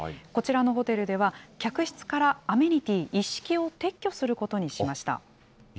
こちらのホテルでは、客室からアメニティー一式を撤去することにしました。